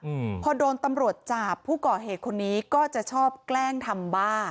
อืมพอโดนตำรวจจับผู้ก่อเหตุคนนี้ก็จะชอบแกล้งทำบ้า